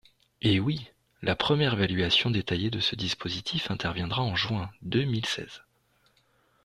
Eh oui ! La première évaluation détaillée de ce dispositif interviendra en juin deux mille seize.